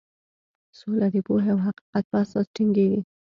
سوله د پوهې او حقیقت په اساس ټینګیږي.